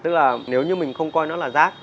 tức là nếu như mình không coi nó là rác